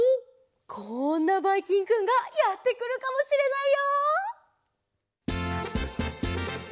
こんなばいきんくんがやってくるかもしれないよ。